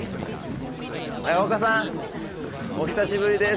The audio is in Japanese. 長岡さんお久しぶりです。